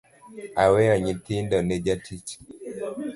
Oweyo nyithindo ne jatich.